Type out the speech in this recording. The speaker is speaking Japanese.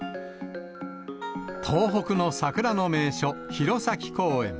東北の桜の名所、弘前公園。